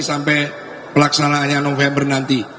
sampai pelaksanaannya november nanti